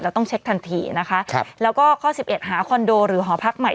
ต้องเช็คทันทีนะคะครับแล้วก็ข้อสิบเอ็ดหาคอนโดหรือหอพักใหม่